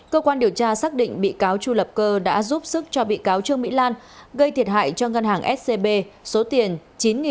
cơ quan điều tra xác định bị cáo chu lập cơ đã giúp sức cho bị cáo trương mỹ lan gây thiệt hại cho ngân hàng scb số tiền chín tỷ đồng